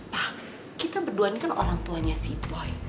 wah kita berdua ini kan orang tuanya si boy